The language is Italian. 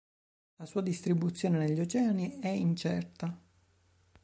La sua distribuzione negli oceani è incerta.